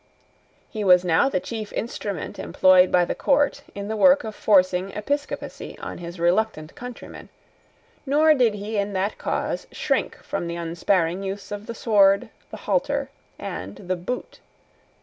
He was now the chief instrument employed by the court in the work of forcing episcopacy on his reluctant countrymen; nor did he in that cause shrink from the unsparing use of the sword, the halter, and the boot.